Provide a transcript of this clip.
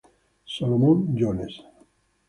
Solomon Jones